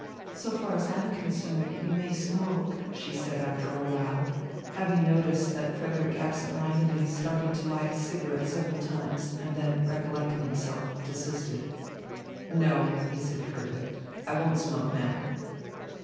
"So far as I am concerned, you may smoke," she said after a while, having noticed that Frederick absent mindedly started to light a cigarette several times and then, recollecting himself, desisted. "No," he said curtly, "I won't smoke now."